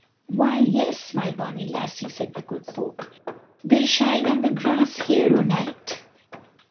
"Why, yes, my bonny lassie," said the Good Folk. "They shine on the grass here o' night.